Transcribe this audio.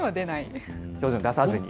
表情に出さずに。